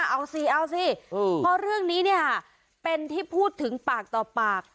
เอาสิเอาสิเพราะเรื่องนี้เนี่ยเป็นที่พูดถึงปากต่อปาก